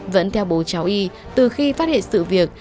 vẫn theo bố cháu y từ khi phát hiện sự việc